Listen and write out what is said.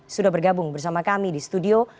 sudah bergabung bersama kami di studio